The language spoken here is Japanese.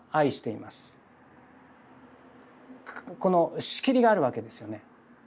この仕切りがあるわけですよね。